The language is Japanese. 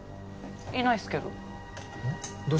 いないっすけど。